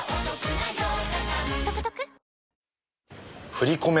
振り込め